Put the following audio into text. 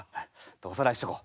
おさらいしとこう。